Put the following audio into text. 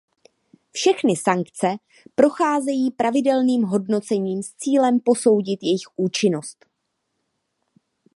Všechny sankce procházejí pravidelným hodnocením s cílem posoudit jejich účinnost.